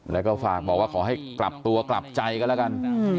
แล้วก็ฝากบอกว่าขอให้กลับตัวกลับใจกันแล้วกัน